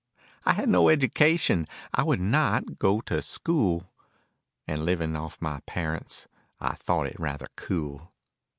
I had no education, I would not go to school, And living off my parents I thought it rather cool.